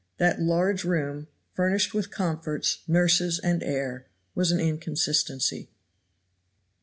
That large room, furnished with comforts, nurses and air, was an inconsistency.